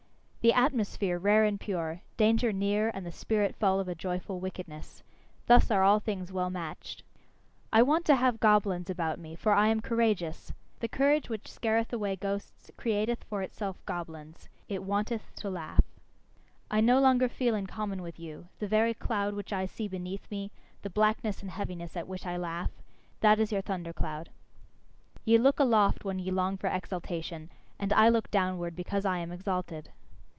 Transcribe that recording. The atmosphere rare and pure, danger near and the spirit full of a joyful wickedness: thus are things well matched. I want to have goblins about me, for I am courageous. The courage which scareth away ghosts, createth for itself goblins it wanteth to laugh. I no longer feel in common with you; the very cloud which I see beneath me, the blackness and heaviness at which I laugh that is your thunder cloud. Ye look aloft when ye long for exaltation; and I look downward because I am exalted.